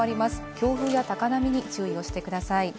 強風や高波に注意をしてください。